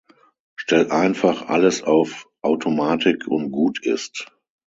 Stell einfach alles auf Automatik und gut ist.